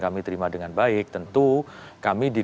kami terima dengan baik tentu kami di